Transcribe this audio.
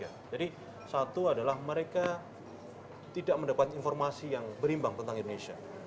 jadi satu adalah mereka tidak mendapat informasi yang berimbang tentang indonesia